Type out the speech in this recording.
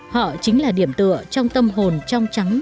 họ chính là điểm tựa trong tâm hồn trong trắng